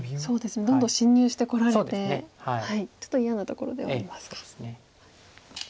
どんどん侵入してこられてちょっと嫌なところではありますか。